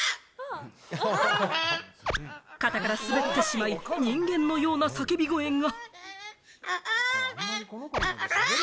肩から滑ってしまい、人間のような叫び声が。